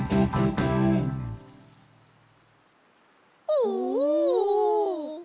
おお！